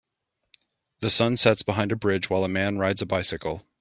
The sun sets behind a bridge while a man rides a bicycle.